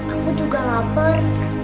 aku juga lapar